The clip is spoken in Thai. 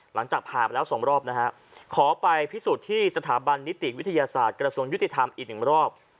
หลังจากผ่าไปแล้วสองรอบนะฮะขอไปพิสูจน์ที่สถาบันนิติวิทยาศาสตร์กระทรวงยุติธรรมอีกหนึ่งรอบ